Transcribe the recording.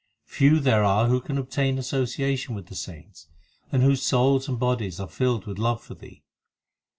Few there are who can obtain association with the saints, And whose souls and bodies are filled with love for Thee.